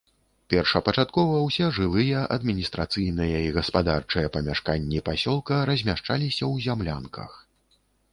Першапачаткова ўсе жылыя, адміністрацыйныя і гаспадарчыя памяшканні пасёлка размяшчаліся ў зямлянках.